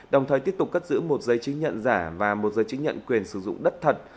đồng thời tiếp tục cất giữ một giấy chứng nhận giả và một giấy chứng nhận quyền sử dụng đất thật